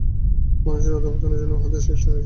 মানুষের অধঃপতনের জন্য যেন উহাদের সৃষ্টি হইয়াছে।